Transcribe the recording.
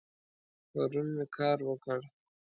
پرون می کار وکړ